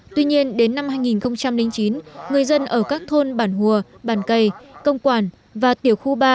tuy nhiên đến năm hai nghìn chín người dân ở các thôn bản hùa bản cây công quản và tiểu khu ba